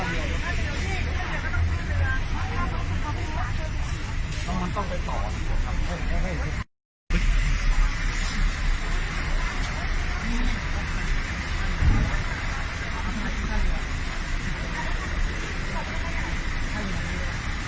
ปิดคลาดไหมเนี่ย